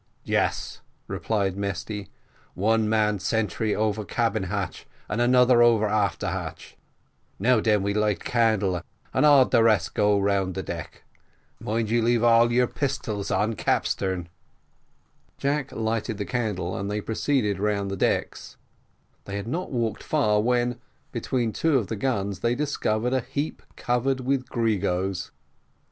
"Yes," replied Mesty, "one man sentry over cabin hatch, and another over after hatch. Now den we light candle, and all the rest go round the deck. Mind you leave all your pistols on capstern." Jack lighted the candle, and they proceeded round the decks: they had not walked far, when, between two of the guns, they discovered a heap covered with gregos.